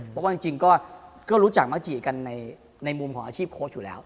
เพราะว่าจริงก็รู้จักมักจิกันในมุมของอาชีพโค้ชอยู่แล้ว